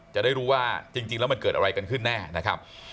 จะได้รู้ว่าจริงแล้วมันเกิดอะไรกันขึ้นแน่นะครับ